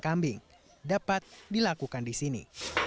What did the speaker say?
kambing dapat dilakukan di sini